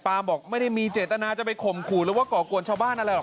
บอกไม่ได้มีเจตนาจะไปข่มขู่หรือว่าก่อกวนชาวบ้านอะไรห